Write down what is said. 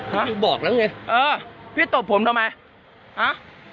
บอกแล้วไงเออพี่ตบผมทำไมอ่ะ